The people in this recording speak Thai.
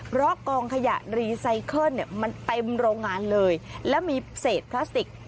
เพราะกองขยะรีไซเคิลเนี่ยมันเต็มโรงงานเลยแล้วมีเศษพลาสติก